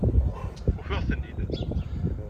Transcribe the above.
Ufiɣ-ten-id.